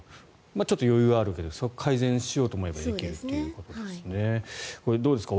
ちょっと余裕あるけど改善しようと思えばいけるということですね。